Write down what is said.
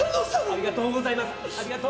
ありがとうございます。